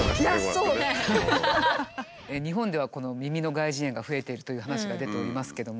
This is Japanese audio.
日本ではこの耳の外耳炎が増えてるという話が出ておりますけども。